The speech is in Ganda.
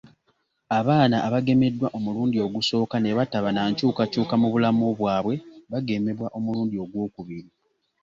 Abaana abagemeddwa omulundi ogusooka ne bataba na nkyukakyuka mu bulamu bwabwe bagemebwa omulundi ogwokubiri